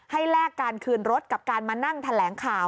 แลกการคืนรถกับการมานั่งแถลงข่าว